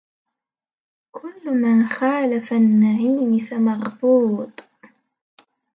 كل من خالف النعيم فمغبوط